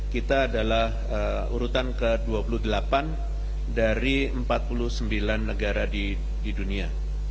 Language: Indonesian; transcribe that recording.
kita adalah urutan ke dua puluh delapan dari empat puluh sembilan negara di dunia